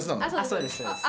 そうですそうです。